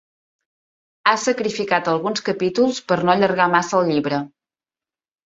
Ha sacrificat alguns capítols per no allargar massa el llibre.